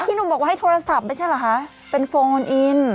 หนุ่มบอกว่าให้โทรศัพท์ไม่ใช่เหรอคะเป็นโฟนโอนอิน